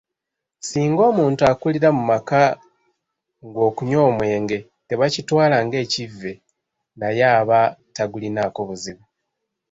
Singa omuntu akulira mu maka ng'okunywa omwenge tebakitwala ng'ekivve naye aba tagulinaako buzibu.